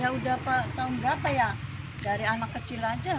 ya udah tahun berapa ya dari anak kecil aja